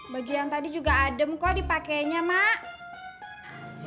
baju yang tadi juga adem kok dipakainya mak